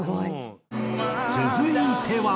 続いては。